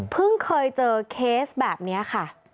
พึ่งเคยเจอแบบนี้ค่ะ